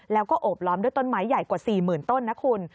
แล้วก็โอบล้อมด้วยต้นไม้ใหญ่กว่า๔๐๐๐ต้นนะคุณ